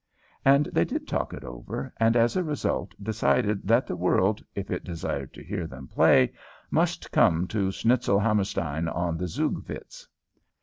And they did talk it over, and as a result decided that the world, if it desired to hear them play, must come to Schnitzelhammerstein on the Zugvitz.